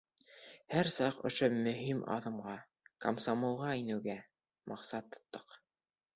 Һәр саҡ ошо мөһим аҙымға — комсомолға инеүгә — маҡсат тоттоҡ.